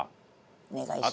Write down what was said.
お願いします。